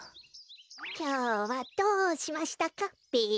きょうはどうしましたかべ。